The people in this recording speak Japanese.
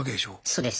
そうです。